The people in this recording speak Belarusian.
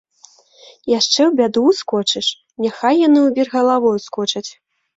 Яшчэ ў бяду ўскочыш, няхай яны ў вір галавою ўскочаць.